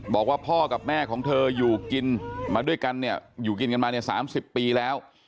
บอกว่าพ่อกับแม่ของเธออยู่กินมาด้วยกันเนี่ยอยู่กินกันมาเนี่ย๓๐ปีแล้ว